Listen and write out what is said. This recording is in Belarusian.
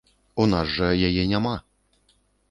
У нас жа яе няма.